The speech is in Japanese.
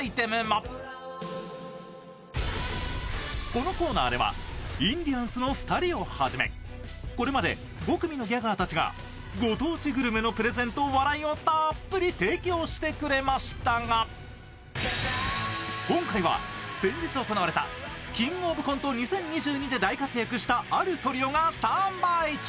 このコーナーではインディアンスの２人をはじめこれまで５組のギャガーたちがご当地グルメのプレゼンとたっぷり提供してくれましたが今回は、先日行われた「キングオブコント２０２２」で大活躍したあるトリオがスタンバイ中。